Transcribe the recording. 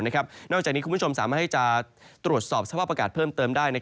นอกจากนี้คุณผู้ชมสามารถให้จะตรวจสอบสภาพอากาศเพิ่มเติมได้